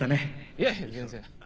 いやいや全然。